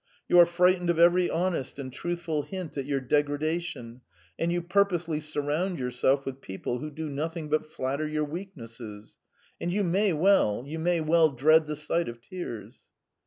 You are frightened of every honest and truthful hint at your degradation, and you purposely surround yourself with people who do nothing but flatter your weaknesses. And you may well, you may well dread the sight of tears!